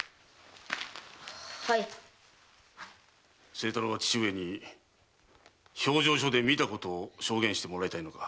清太郎は父上に評定所で見たことを証言してほしいのか？